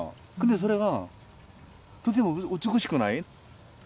でそれがとても美しくない？